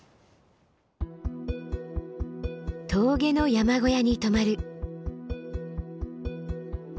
峠の山小屋に泊まる。